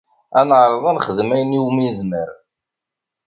Ad neɛreḍ ad nexdem ayen umi nezmer.